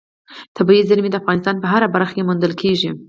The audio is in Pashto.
طبیعي زیرمې د افغانستان په هره برخه کې موندل کېږي.